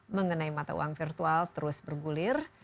mengenai mata uang virtual terus bergulir